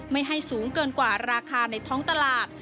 ไม่ให้สูงเกินกว่าราคาในท้องตลาด